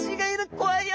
怖いよ！